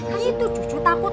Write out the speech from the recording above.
kan itu cucu takut